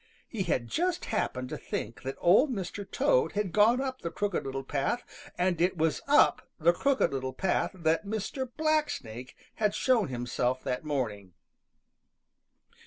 He had just happened to think that Old Mr. Toad had gone up the Crooked Little Path, and it was up the Crooked Little Path that Mr. Blacksnake had shown himself that morning.